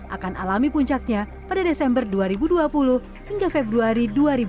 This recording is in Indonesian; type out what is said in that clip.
akan alami puncaknya pada desember dua ribu dua puluh hingga februari dua ribu dua puluh